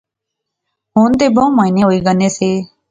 ہن تہ بہوں مہینے ہوئی گئی سے